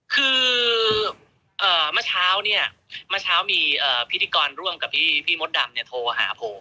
คือเมื่อเช้าเนี่ยเมื่อเช้ามีพิธีกรร่วมกับพี่มดดำเนี่ยโทรหาผม